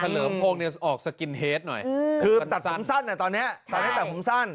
เลิมพงศ์เนี่ยออกสกินเฮดหน่อยคือตัดผมสั้นตอนนี้ตัดให้ตัดผมสั้น